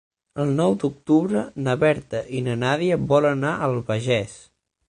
El nou d'octubre na Berta i na Nàdia volen anar a l'Albagés.